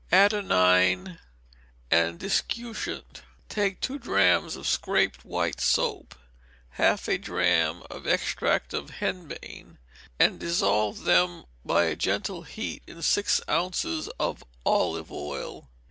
Anodyne and Discutient. Take two drachms of scraped white soap, half a drachm of extract of henbane, and dissolve them by a gentle heat in six ounces of olive oil.